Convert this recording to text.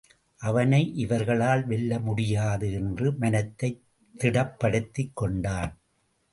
அவனை இவர்களால் வெல்ல முடியாது என்று மனத்தைத் திடப்படுத்திக் கொண்டான்.